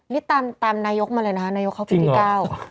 นี่ตามนายกมาเลยนะฮะนายกเข้าใบที่๙